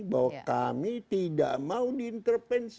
bahwa kami tidak mau diintervensi